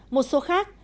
một số khác